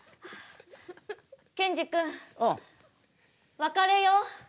別れよう。